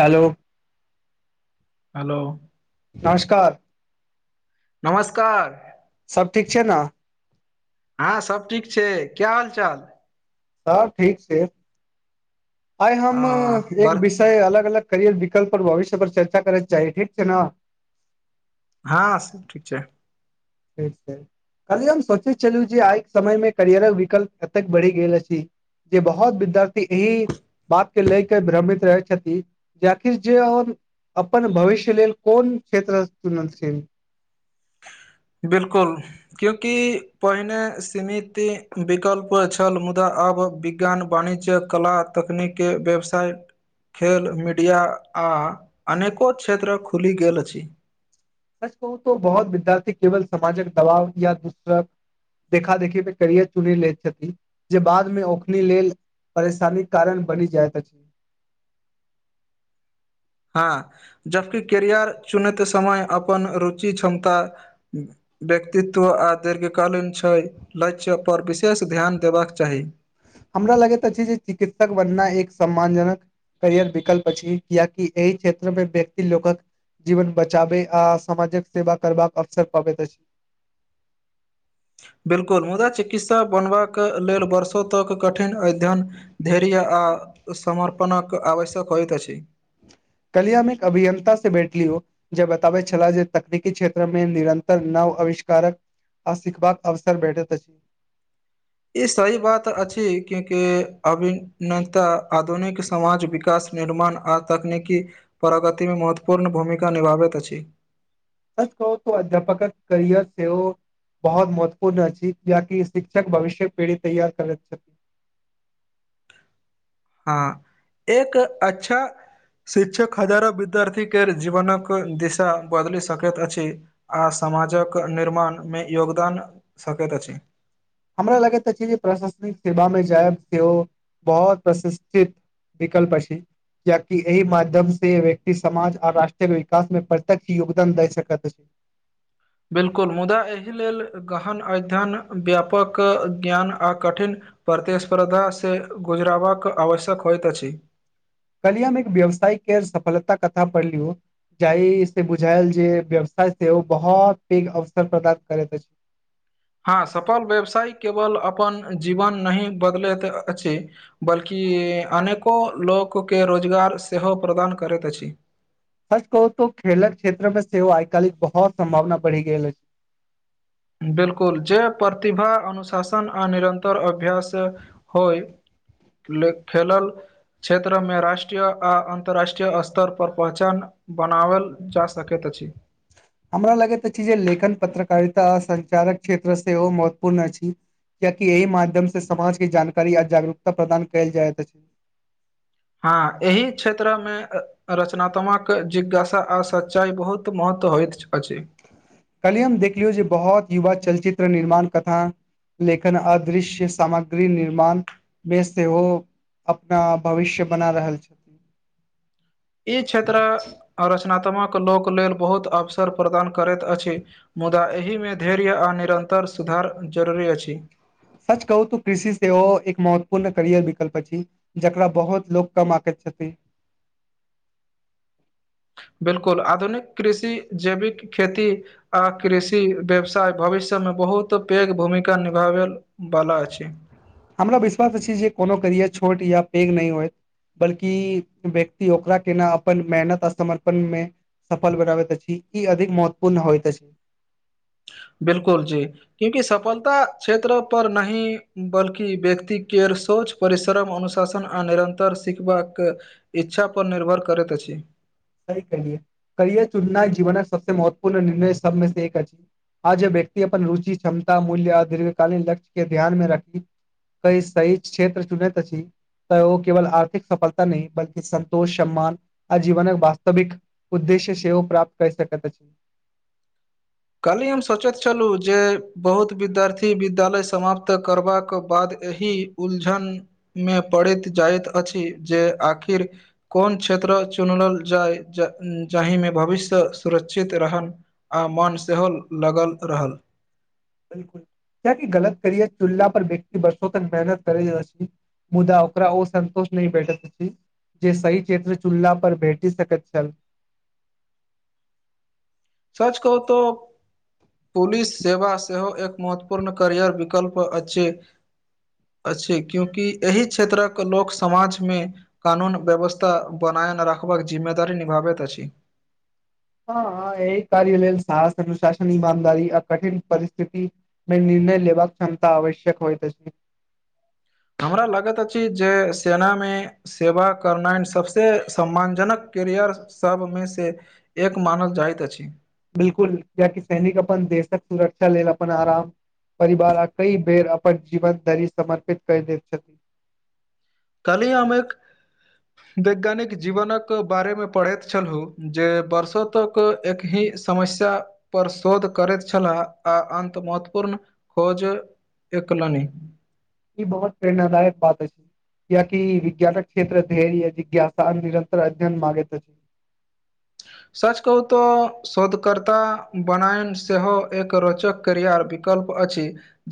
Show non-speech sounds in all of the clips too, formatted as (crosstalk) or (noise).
Hello hello नमस्कार नमस्कार सब ठीक छै ने हँं सब ठीक छैय क्या हाल चाल? ह ठीक छैय। आइ आ हम एक बड़ विषय अलग अलग करियर विकल्प आऔर भविष्य पर चर्चा करैके चाही ठीक छैय ने हँ से ठीक छैय। (unintelligible) खाली हम सोचे छललू जे आइ समय मे करियर विकल्प कतेक बढ़ि गेल अछि। जे बहुत विद्यार्थी एहि बात के ले के भ्रमित रहै छथि जेकिर जे अपन भविष्य लेल कोन क्षेत्र चुनलथि? बिलकुल क्यूंकि पहिने सीमित विकल्प छल मुदा आब विज्ञान वाणिज्य कला तकनीक वेबसाइट खेल मीडिया आ अनेको क्षेत्र खुलि गेल अछि। सच कहू त बहुत विद्यार्थी केवल समाजक दबाव या दूसरक देखा देखी प करिय चुनी लैत छथि जे बादमे ओखनी लेल परेशानीक कारण बनि जाइत अछि। हँ जबकि करियर चुनैत समय अपन रुचि क्षमता व्यक्तित्व आ दीर्घकालीन छै लक्ष्य पर विशेष ध्यान देबाक चाही हमरा लगैत अछि जे चिकित्सक बननाय एक सम्मानजनक करियर विकल्प छी कियकि एहि क्षेत्र मे व्यक्ति लोकक जीवन बचाबे आ सामाजिक सेवा करबाक अवसर पाबै अछि (inaudible) बिल्कुल मुदा चिकित्सा बनबाक लेल वर्षो तक कठिन अध्ययन धैर्य आ आ समर्पणक आवश्यक होइत अछि। कलियामे एक अभियंता से बैठलियौ जे बताबै छलाह जे तकनीकी क्षेत्रमे निरंतर न आविष्कारक आ सिखबाक अवसर भेठैत अछि। ई सही बात अछि क्योंकि अभिनताः आधुनिक समाज विकास निर्माण आ तकनीकी प्रगति मे महत्वपूर्ण भूमिका निभाबैत अछि। सच कहू तऽ अध्यापक करियर सेहो बहुत महत्वपूर्ण अछि। जाकि शिक्षक भविष्य पीढ़ी तैयार करैत छथि। (inaudible) हँ एक अच्छा शिक्षक हजार विद्यार्थी के जीवनक दिशा बदलि सकैत अछि आ समाजक निर्माणमे योगदान सकैत अछि। हमरा लगैत अछि जे प्रशासनिक सेवामे जायब सेहो बहुत प्रशिकष्ठित विकल्प अछि। किया कि एहि माध्यम से व्यक्ति समाज आ राष्ट्रक विकास मे प्रत्यक्ष योगदान द सकैत अछि। (unintelligible) बिल्कुल मुदा एहि लेल गहन अध्ययन व्यापक ज्ञान आ कठिन प्रतिस्पर्धा से गुजराबाक आवश्यक होइत अछि कलिय हम एक व्यावसाय केर सफलता कथा पढ़लियौ जाहि से बुझायल जे व्यवसाय से ओ बहुत पैघ अवसर प्रदान करैत अछि (unintelligible) हँ सफल व्यवसाय केवल अपन जीवन नहि बदलैत अछि बल्कि कि अनेको लोक केँ रोजगार सेहो प्रदान करैत अछि सच कहू त खेलक क्षेत्रमे सेहोव आइ कालिक बहुत सम्भावना बढ़ि गेल अछि बिल्कुल जे प्रतिभा अनुशासन आ निरन्तर अभ्यास होय ले खेलल क्षेत्र मे राष्ट्रीय आ अन्तर्राष्ट्रीय स्तर पर पहचान बनावल हमरा लगैत अछि जे लेखन पत्र कारिता संचारक क्षेत्र सेहो महत्वपूर्ण अछि किया कि एहिह माध्यम से समाजके जानकारी आ जागरूकता प्रदान कयल जाइत अछि हँ एहि क्षेत्रमे रचनात्मक जिज्ञासा आ सच्चाइ बहुत महत्व होइत अछि कली हम देखलियौ जे बहुत युवा चलचित्र निर्माण कथा लेखन अदृश्य सामग्री निर्माणमे सेहो अपना भविष्य बना रहल छथिन ई क्षेत्र रचनात्मक लोक लेल बहुत अवसर प्रदान करैत अछि मुदा एहि मे धैर्य आ निरन्तर सुधार धर जरूरी अछि सच कहू तू कृषि से एक महत्वपूर्ण करियर विकल्प अछि जेकरा बहुत लोग कम आक छथि बिल्कुल आधुनिक कृषि जैविक खेती आ कृषि व्यवसाय भविष्यमे ब बहुत पैघ भूमिका निभाबैवला अछि हमरा विश्वास अछि जे कोनो करियर छोट या पैघ नहि होइत बल्कि व्यक्ति ओकरा केना अपन मेहनत आ समर्पण मे सफल बनाबैत अछि ई अधिक महत्वपूर्ण होइत अछि बिलकुल जी क्यूंकि सफलता क्षेत्र पर नहि बल्कि व्यक्तिक केर सोच परिश्रम अनुशासन आ निरन्तर सिखबाक इच्छा पर निर्भर करैत अछि सही कहलियै कैये चुननाइ जीवनक सबसँ महत्वपूर्ण निर्णय सबमे से एक अछि आज व्यक्ति अपन अपन रुचि क्षमता मूल्य आ दीर्घकालीन लक्ष्य केँ ध्यानमे रखी कई सही क्षेत्र चुनेैत छी त ओ केवल आर्थिक सफलता नहि बल्कि संन्तोष सम्मान आजीवनक वास वास्तविक उद्देश्य सेहो प्राप्त क सकैत अछि काल्हि हम सोचैत छलहुँ जे बहुत विद्यार्थी विद्यालय समाप्त करबाक बाद एहि उलझन मे पड़ैत जाइत अछि जे आखिर कोन क्षेत्र चुनल जाय जाहिमे भविष्य सुरक्षित रहन आ मन सेहो लागल रहल बिल्कुल क की गलत करियर चुनला पर व्यक्ति बरसो तक मेहनत करे मुदा ओकरा ओ संन्तोष नहि भेटैत अछि जे सहि क्षेत्र चुनला पर भेठी सकैत छल सच कहू तो पुलिस सेवा सेहो एक महत्वपूर्ण कैरियर विकल्प अछि अछि क्यूकि एहि क्षेत्रक लोक समाजमे कानून व्यवस्था बना रखबाक जिम्मेदारी निभाबैत अछि (unintelligible) हँ ह एक कार्य लेल साहस अनुशासन ईमानदारी अ कठिन परिस्थिति मे नय लेबाक क्षमता आवश्यक होइत अछि हमरा लागैत अछि जे सेनामे सेवा करनाइ सभसँ सम्मानजनक करियर सभमेसँ एक मानल जाइत अछि बिलकुल कियाकि सैनिक अपन देशक सुरक्षा लेल अपन आराम परिवार आ कई बेर अपन जीवन धरि समर्पित करि दैत छथि कल्हि हम एक वैज्ञानिक जीवनक बारेमे पढ़ैत छलहुँ जे वर्षो तक एक ही समस्या पर शोध करैत छलाह आ अन्त महत्वपूर्ण खोज एकलनी ई बहुत प्रेरणादायक बात अछि कियाकि विज्ञानक क्षेत्र धैर्य जिज्ञासा निरन्तर अध्ययन मांगैत अछि (inaudible) सच कहू तऽ शोधकर्ता बनायन सेहो एक रोचक क्रिया वि कल्प अछि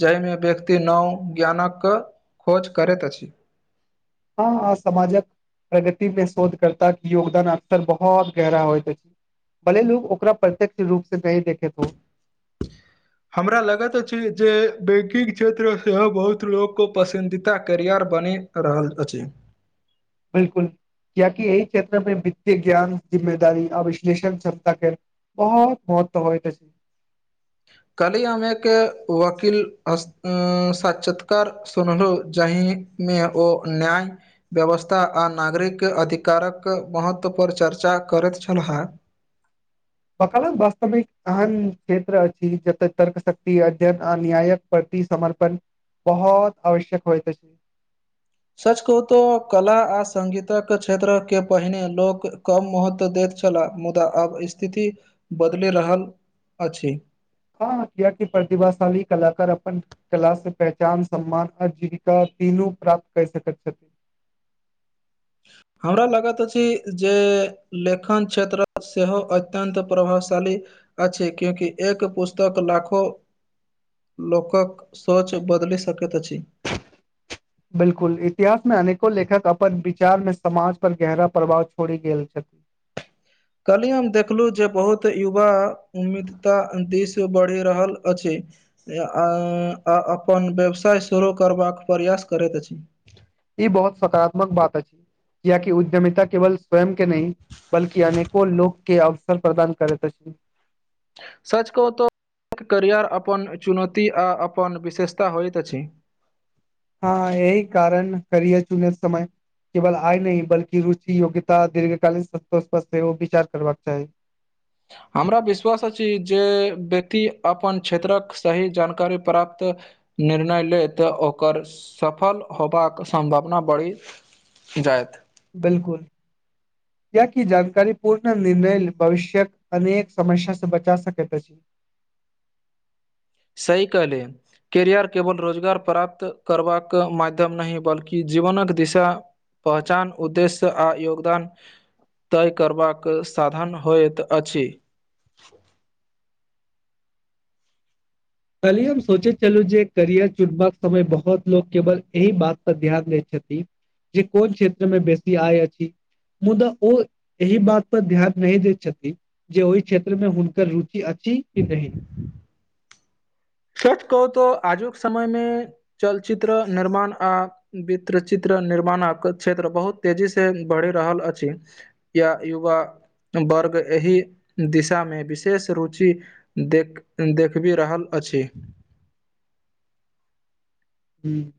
जाहिमे व्यक्ति नव ज्ञानक खोज करैत अछि हँ हँ समाजक प्रगति मे शोध करताक योगदान अक्सर बहुत गहरा होयत अछि भले लोग ओकरा प्रत्यक्ष रूप सँ नहि देखैत हो हमरा लगैत अछि जे बैंकिंग क्षेत्र सेहो बहुत लोक को पसन्दीदा कैरियर बनि रहल अछि बिल्कुल कियाकि एहि क्षेत्र मे वित्त ज्ञान जिम्मेदारी आ विश्लेषण क्षमता केर बहुत महत्त्व होइत अछि। कल्हि हम एक वकील स्त साक्षात्कार सुनलहुं जाहिमे मे ओ न्याय व्यवस्था आ नागरिक अधिकारक महत्व पर चर्चा चर्चा करैत छलहा (inaudible) वकालत वास्तवमे एक एहन क्षेत्र अछि जतय तर्कशक्ति अध्ययन आ न्यायक प्रति समर्पण बहुत आवश्यक होइत अछि सचकहु तऽ कला आ संगीतक क्षेत्र के पहिने लोक कम महत्व दैत छलाह मुदा आब स्थिति बदलि रहल अछि ह कियाकि प्रतिभाशाली कलाकार अपन कला से पहचान सम्मान आ जीविका तीनू प्राप्त कैय सकैत छथि हमरा लगत अछि जे लेखन क्षेत्र सेहो अत्यन्त प्रभावशाली अछि क्यूंकि एक पुस्तक लाखो लोकक सोच बदलि सकैत अछि बिल्कुल इतिहास मे अनेको लेखक अपन विचार मे समाज पर गहरा प्रभाव छोड़ि गेल छथिन (inaudible) कल्हि हम देखलू जे बहुत युवा उम्मीदता दिस बढ़ि रहल अछि उं आ अपन व्यवसाय शुरू करबाक प्रयास करैत अछि ई बहुत सकारात्मक बात अछि कियाकि उद्यमिता केवल स्वयं के नहि बल्कि अनेको लोक केँ अवसर प्रदान करैत अछि (inaudible) सच कहु तो करियर अपन चुनौती आ अपन विशेषता होइत अछि हँ एहि कारण करियर चूनैत समय केवल आय नहि बल्कि रुचि योग्यता दीर्घकालीन सब पक्ष पर सेहो विचार करबाक चाही हमरा विश्वास अछि जे व्यक्ति अपन क्षेत्रक सही जानकारी प्राप्त निर्णय ले तऽ ओकर सफल होबाक सम्भावना बढ़ि जायत बिल्कुल कियाकि जानकारी पूर्ण निर्णय भविष्यक अनेक समस्या सँ बचा सकैत अछि (unintelligible) सही कह ले कैरियर केवल रोजगार प्राप्त करबाक माध्यम नहि बल्कि जीवनक दिशा पहचान उद्देश्य आ योगदान तय करबाक साधन होइत अछि (inaudible) कलिय हम सोचे चलू जे करियर चुनबाक समय बहुत लोग केवल एहि बात पर ध्यान दे छथि जे कोन क्षेत्रमे बेसी आय अछि मुदा ओ एहि बात पर ध्यान नहि दैत छथिन जे ओहि क्षेत्रमे हुनकर रुचि अ छि कि नहि सच कहू तऽ आजुक समय मे चलचित्र निर्माण आ वित्रचित्र निर्माणक क्षेत्र बहुत तेजी से बढ़ि रहल अछि या युवा वर्ग एहि दिशामे विशेष रुचि देख देखबी रहल अछि ह्म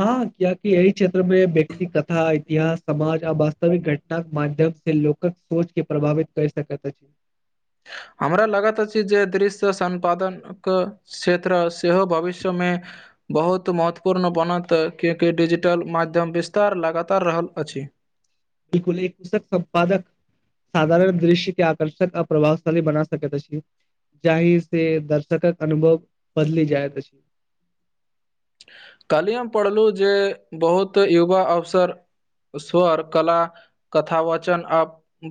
हँ कियाकि अहि क्षेत्र मे व्यक्ति कथा इतिहास समाज आ वास्तविक घटनाक मान माध्यम से लोकक सोच के प्रभावित कर सकैत अछि हमरा लागत अछि जे दृश्य संम्पादनक क्षेत्र सेहो भविष्य मे बहुत महत्वपूर्ण बनत किएकि डिजिटल माध्यम विस्तार लगातार रहल अछि बिलकुल एक कसक सम्पादक साधारण दृश्य के आकर्षक आ प्रभावशाली बना सकैत अछि जाहिी से दर्शकक अनुभव बदली जाये त कहलियै हम पढ़लहुँ जे बहुत युवा अवसर स्वर कला कथा वाचन आ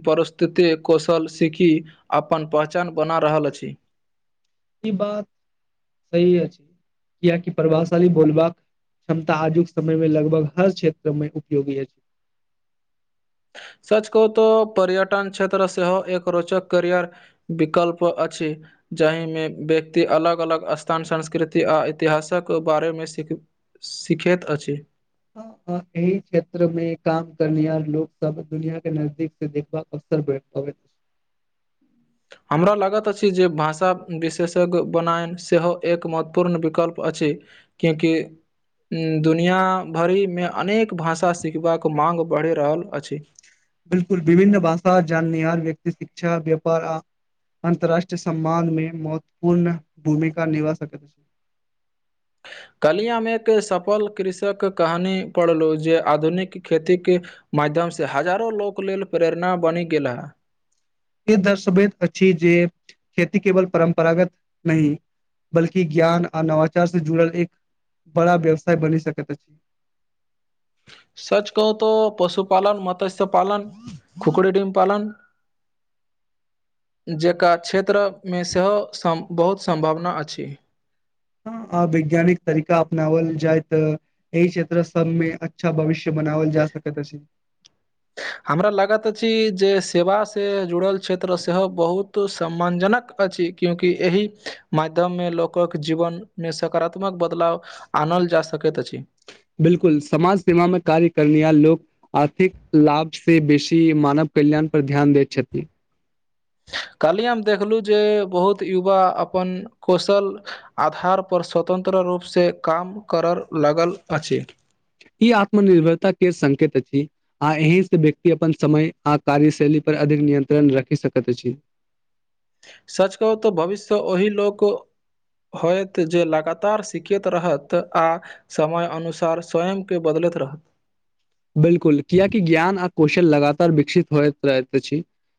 परस्तित कौशल सिखी अपन पहचान बना रहल अछि ई बात सही अछि किया की प्रभावशाली बोलबाक क्षमता आजुक समय मे लगभग हर क्षेत्र मे उपयोगी अछि सच कहू तऽ पर्यटन क्षेत्र सेहो एक रोचक करियर विकल्प अछि अछि जाहिमे व्यक्ति अलग अलग स्थान संस्कृति आ इतिहासक बारेमे सीख सिखैत अछि एहि क्षेत्र मे काम करनिहार लोक सब दुनिया के नजदीक से देखबाक (unintelligible) हमरा लागैत अछि जे भाषा विशेषज्ञ बनायन सेहो एक महत्वपूर्ण विकल्प अछि क्यूकि दुनिया भरिमे अनेक भाषा सिखबाक माग बढ़ि रहल अछि बिलकुल विभिन्न भाषा जाननिहार व्यक्ति शिक्षा व्यापार आ अन्तर्राष्ट्रीय सम्मान मे महत्वपूर्ण भूमिका निभा सकै छै (inaudible) कलियामे एक सफल कृषक कहानी पढ़लहु जे आधुनिक खेती के माध्यम से हजारो लोक लेल प्रेरणा बनि गेलाह दर्सर्भेद अछि जे खेती केवल परम्परागत नहि बल्कि ज्ञान आ नवाचार से जुड़ल एक बड़ा व्यवसाय बनि सक छै (inaudible) सच कहू तऽ पशुपालन मत्स्य पालन खुकुरी डीम पालन (inaudible) जेका क्षेत्रमे सेहो सम बहुत सम्भाबना अछि ह आ वैज्ञानिक तरीका अपनावल जाइत अछि एहि क्षेत्र सबमे अच्छा भविष्य बनावल जा सकैत अछि हमरा लागत अछि जे सेवा से जुड़ल क्षेत्र सेहो बहुत सम्मानजनक अछि क्योंकि एहि माध्यममे लोकक जीवन मे सकारात्मक बदलाव आनल जा सकैत छी ‌ बिल्कुल समाज सेवामे कार्य करनिहार लोक आर्थिक लाभ से बेसी मानव कल्याण पर ध्यान दैत छथि कहलिय हम देखलु जे बहुत युवा अपन कौशल आधार पर स्वतंत्र रूपसँ काम करय लगल अछि ई आत्मनिर्भरता के संकेत अछि आ एहि से व्यक्ति अपन समय आ कार्यशैली पर अधिक नियंत्रण रखि सकैत अछि सच कहू तऽ भविष्य ओहि लोक होयत जे लगातार सिखैत रहत आ समय अनुसार स्वयंके बदल लैत रहत बिल्कुल कियकि ज्ञान आ कौशल लगातार विकसित होइत रहैत अछि